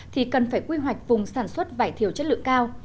thì cần phải quy hoạch vùng sản xuất vải thiều chất lượng cao